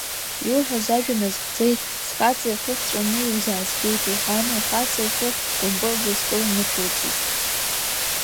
Иуҳәаз ажәа назгӡеит, схаҵа ихы хҵәаны иузаазгеит, — лҳәан, лхаҵа ихы кәымпылӡа астол инықәылҵит.